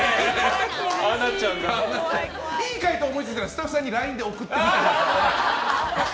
いい回答を思いついたらスタッフさんにＬＩＮＥで。